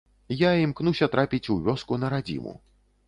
Я імкнуся трапіць у вёску на радзіму.